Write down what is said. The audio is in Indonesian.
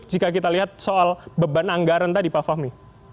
jika kita lihat soal beban anggaran tadi pak fahmi